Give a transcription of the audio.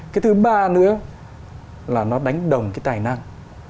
cái thứ ba nữa là nó đánh đồng cái tài năng